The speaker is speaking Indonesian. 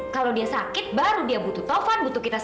kalau dia sakit baru dia butuh taufan butuh kak taufan